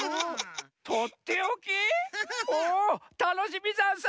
おたのしみざんす！